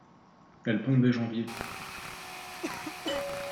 Elle pond dès janvier.